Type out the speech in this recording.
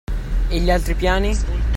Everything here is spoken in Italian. E gli altri piani?